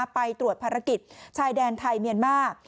ไปตรวจภารกิจชายแดนไทยเมียนมาร์